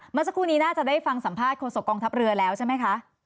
เมื่อสักครู่นี้น่าจะได้ฟังสัมภาษณ์โฆษกองทัพเรือแล้วใช่ไหมคะ